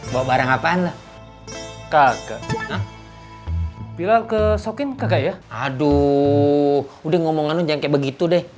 bawa barang apaan lo kagak bila ke sokin kagak ya aduh udah ngomongannya jangan kayak begitu deh